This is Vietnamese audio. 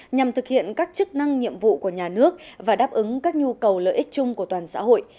nhằm thực hiện các chức năng nhiệm vụ của nhà nước và đáp ứng các nhu cầu lợi ích chung của toàn xã hội